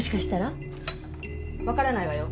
わからないわよ。